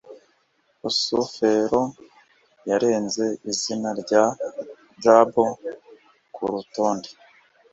rusufero yarenze izina rya jabo kurutonde